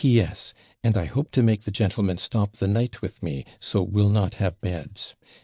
P.S. And I hope to make the gentlemen stop the night with me; so will not have beds.